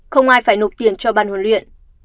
không ai phải nộp tiền cho ban huấn luyện